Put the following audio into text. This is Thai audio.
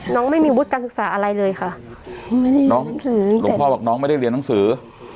น้องไม่มีวุฒิการศึกษาอะไรเลยค่ะน้องถือหลวงพ่อบอกน้องไม่ได้เรียนหนังสือ